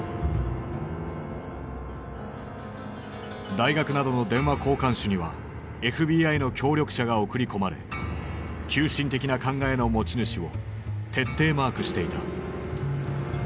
大学などの電話交換手にはＦＢＩの協力者が送り込まれ急進的な考えの持ち主を徹底マークしていた。